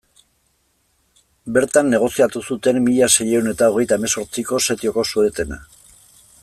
Bertan negoziatu zuten mila seiehun eta hogeita hemezortziko setioko suetena.